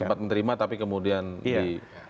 sempat menerima tapi kemudian di luar kenal